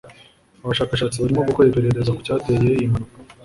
abashakashatsi barimo gukora iperereza ku cyateye iyi mpanuka